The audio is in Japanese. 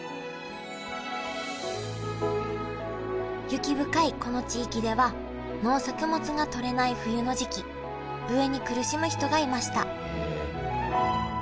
雪深いこの地域では農作物がとれない冬の時期飢えに苦しむ人がいましたえ。